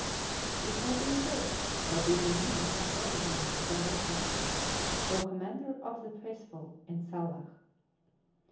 It may be this shall be the means of remedying thy restlessness, O Commander of the Faithful, Inshallah!